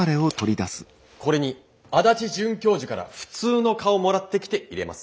これに足立准教授から普通の蚊をもらってきて入れます。